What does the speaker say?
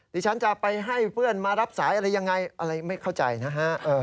ดิฉันจะไปให้เพื่อนมารับสายอะไรยังไงอะไรไม่เข้าใจนะฮะ